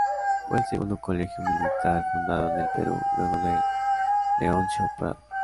Fue el segundo colegio militar fundado en el Perú, luego del Leoncio Prado.